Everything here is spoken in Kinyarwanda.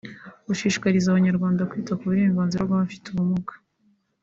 Gushishikariza abanyarwanda kwita ku burenganzira bw’Abafite ubumuga